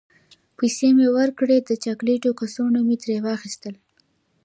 پیسې مې ورکړې، د چاکلیټو کڅوڼه مې ترې واخیستل.